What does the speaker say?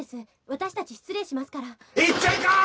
私達失礼しますから行っちゃいかん！